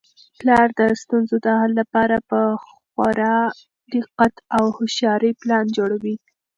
پلار د ستونزو د حل لپاره په خورا دقت او هوښیارۍ پلان جوړوي.